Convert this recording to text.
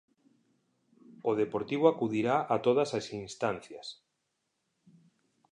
O Deportivo acudirá a todas as instancias.